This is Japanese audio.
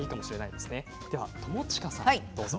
では友近さんどうぞ。